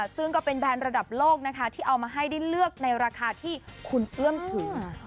ซึ่งก็เป็นแบรนด์ระดับโลกนะคะที่เอามาให้ได้เลือกในราคาที่คุณเอื้อมถือ